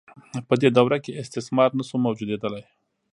په دې دوره کې استثمار نشو موجودیدلای.